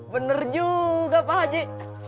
bener juga pak haji